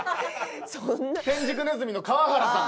天竺鼠の川原さん。